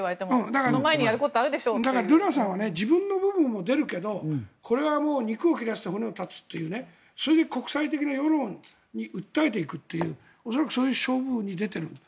ルラさんは自分の分も出るけどこれは肉を切らせて骨を断つというそれで国際的な世論に訴えていくという恐らくそういう勝負に出ている。